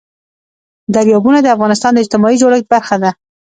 دریابونه د افغانستان د اجتماعي جوړښت برخه ده.